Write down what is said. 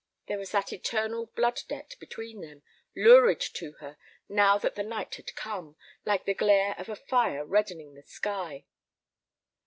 There was that eternal blood debt between them, lurid to her, now that the night had come, like the glare of a fire reddening the sky.